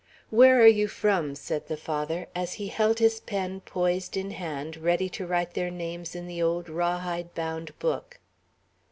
"Where are you from?" said the Father, as he held his pen poised in hand, ready to write their names in the old raw hide bound book.